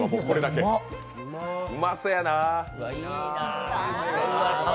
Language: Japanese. うまそうやな。